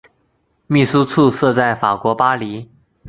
秘书处设在法国巴黎。